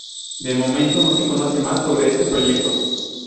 De momento no se conoce más sobre este proyecto.